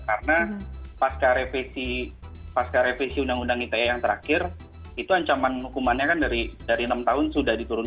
karena pasca revisi undang undang ite yang terakhir itu ancaman hukumannya kan dari enam tahun sudah ditahan